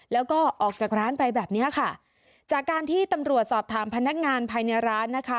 แล้วก็ออกจากร้านไปแบบเนี้ยค่ะจากการที่ตำรวจสอบถามพนักงานภายในร้านนะคะ